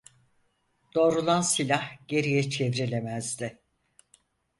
Doğrulan silah geriye çevirilemezdi.